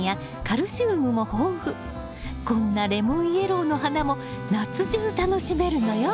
こんなレモンイエローの花も夏中楽しめるのよ。